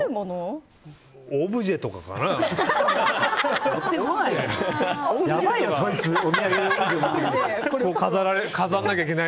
オブジェとかかな。